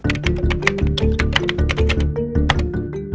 ชื่อแดงให้ความนิยมชมชอบภาคเพื่อไทย